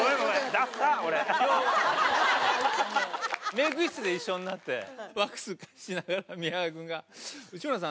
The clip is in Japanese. メイク室で一緒になってワックスつけながら宮川くんが「内村さん